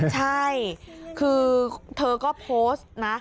ใช่คือเธอก็โพสต์นะ